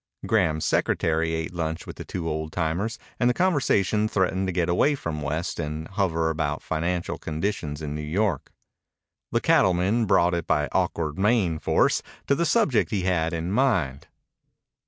Graham's secretary ate lunch with the two old timers and the conversation threatened to get away from West and hover about financial conditions in New York. The cattleman brought it by awkward main force to the subject he had in mind.